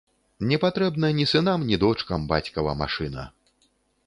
Не патрэбна ні сынам ні дочкам бацькава машына.